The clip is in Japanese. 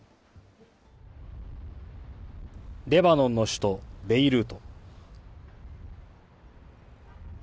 レバノンの首都ベイルート。